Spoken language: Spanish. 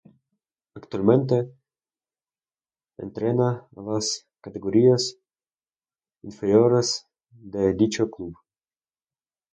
Actualmente entrena a las categorías inferiores de dicho club.